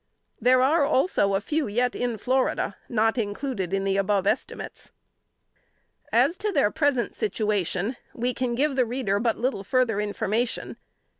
There are also a few yet in Florida, not included in the above estimate. [Sidenote: 1852.] As to their present situation, we can give the reader but little further information.